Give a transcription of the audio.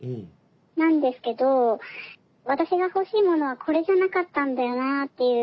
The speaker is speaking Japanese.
なんですけど私が欲しいものはこれじゃなかったんだよなっていう。